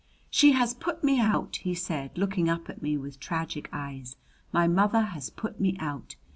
"She has put me out!" he said, looking up at me with tragic eyes. "My mother has put me out!